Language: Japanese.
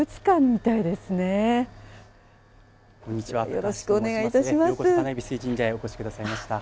ようこそ金蛇水神社へお越しくださいました。